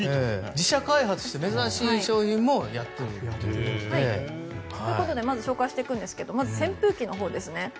自社開発して珍しい商品もやっているということで。ということでまず、紹介してくんですが扇風機のほうですね。